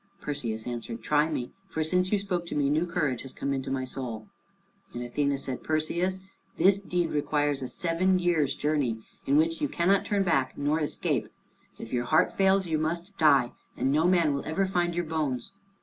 Perseus answered, "Try me, for since you spoke to me, new courage has come into my soul." And Athene said, "Perseus, this deed requires a seven years' journey, in which you cannot turn back nor escape. If your heart fails, you must die, and no man will ever find your bones."